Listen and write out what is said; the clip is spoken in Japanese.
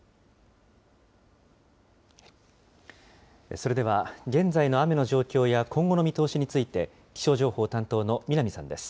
それでは現在の雨の状況や今後の見通しについて気象情報担当